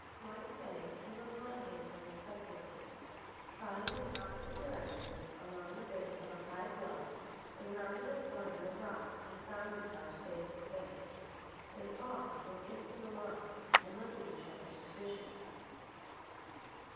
White Fang came upon him unexpectedly. Trotting in opposite directions along the base of a high bluff, they rounded a corner of rock and found themselves face to face. They paused with instant alarm, and looked at each other suspiciously.